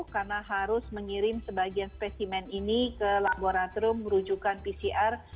karena harus mengirim sebagian spesimen ini ke laboratorium merujukan pcr